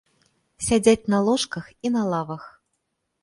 Сядзяць на ложках і на лавах.